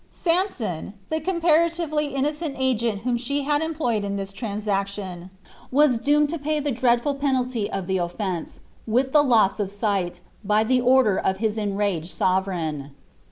Sampson, tne comparaiirdf innocent agent whom ahe had employed in this transaction, was doomed to pay the dreadful penally of ihe oOence, with Ihe loss of sight, by iIk order of his enraged sovereign.'